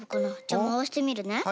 じゃあまわしてみるね。